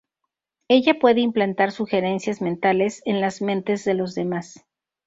Ella puede implantar sugerencias mentales en las mentes de los demás.